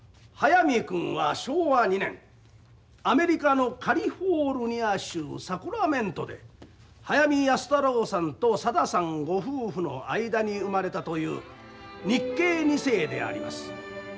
速水君は昭和２年アメリカのカリフォルニア州サクラメントで速水安太郎さんとさださんご夫婦の間に生まれたという日系二世であります。